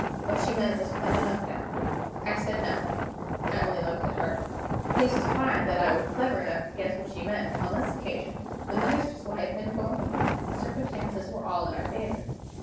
What she meant was plain enough now. I said nothing: I only looked at her. Pleased to find that I was clever enough to guess what she meant, on this occasion, the Minister's wife informed me that the circumstances were all in our favor.